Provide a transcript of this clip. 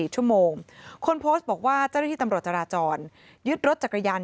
๔ชั่วโมงคนโพสต์บอกว่าเจ้าหน้าที่ตำรวจจราจรยึดรถจักรยาน